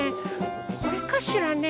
これかしらね？